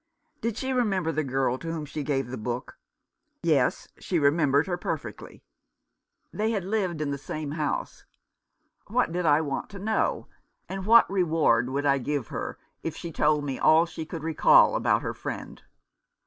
Did she remember the girl to whom she gave the book ? Yes, she remembered her perfectly. They had lived in the same house. What did I want to know, and what reward would I give her if she told me all she could recall about her friend